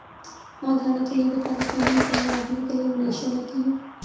آج حالت یہ ہے کہ پاکستانی حصول ملازمت کیلئے ملائشیا جاتے ہیں۔